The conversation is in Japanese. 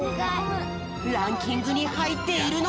ランキングにはいっているのか？